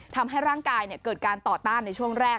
ทำให้ร่างกายเกิดการต่อต้านในช่วงแรก